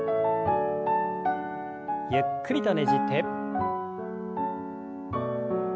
ゆっくりとねじって。